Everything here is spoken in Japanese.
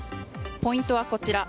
ポイントはこちら。